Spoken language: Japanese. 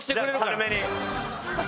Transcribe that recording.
軽めに。